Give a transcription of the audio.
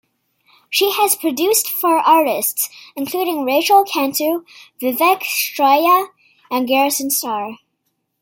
She has produced for artists including Rachael Cantu, Vivek Shraya and Garrison Starr.